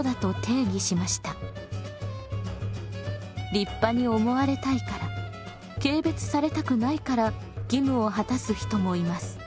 立派に思われたいから軽蔑されたくないから義務を果たす人もいます。